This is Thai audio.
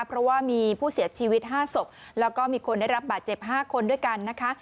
เพราะว่ามีผู้เสียชีวิต๕ศพแล้วก็มีคนได้รับบาดเจ็บ๕คนด้วยกันนะคะ